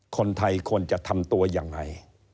คนไทยควรจะทำตัวยังไง